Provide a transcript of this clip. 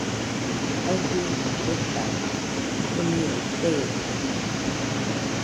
Aɨfɨ betade, ɨniroi fetate.